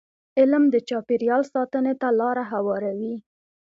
علم د چاپېریال ساتنې ته لاره هواروي.